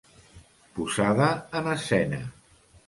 Posada en escena.